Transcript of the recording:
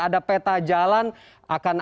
ada peta jalan akan